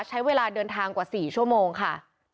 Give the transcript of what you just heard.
ใช้เวลาเดินทางกว่า๔ชั่วโมงค่ะ